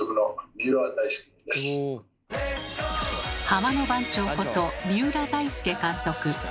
「ハマの番長」こと三浦大輔監督。